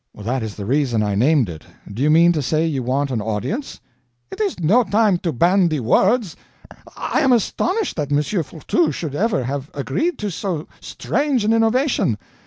"That is the reason I named it. Do you mean to say you want an audience?" "It is no time to bandy words. I am astonished that M. Fourtou should ever have agreed to so strange an innovation.